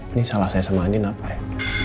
ini salah saya sama andi nak apa ya